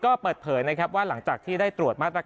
ก็เปิดเผยนะครับว่าหลังจากที่ได้ตรวจมาตรการ